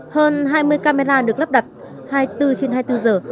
hơn hai mươi camera được lắp đặt hai mươi bốn trên hai mươi bốn giờ